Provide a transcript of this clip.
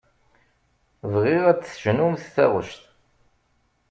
Bɣiɣ ad d-tecnumt taɣect.